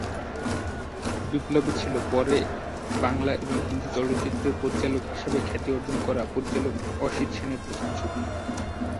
বিপ্লবী ছিল পরে বাংলা এবং হিন্দী চলচ্চিত্রের পরিচালক হিসাবে খ্যাতি অর্জন করা পরিচালক অসিত সেনের প্রথম ছবি।